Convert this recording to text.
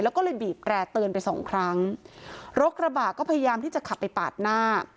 แล้วก็เลยบีบแร่เตือนไปสองครั้งรถกระบะก็พยายามที่จะขับไปปาดหน้า